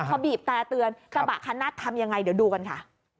เขาบีบตาเตือนกระบะคันนัดทำอย่างไรเดี๋ยวดูกันค่ะ